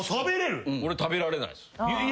俺食べられないっす。